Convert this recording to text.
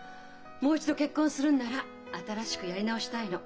もう一度結婚するんなら新しくやり直したいの。